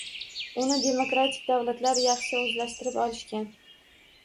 Uni demokratik davlatlar yaxshi o‘zlashtirib olishgan